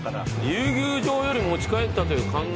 「竜宮城より持ち帰ったという観音像」